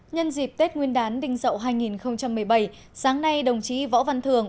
nhân dịp tết nguyên đán đinh dậu hai nghìn một mươi bảy sáng nay đồng chí võ văn thường